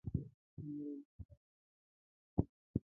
نور انتظار پای ته رسیږي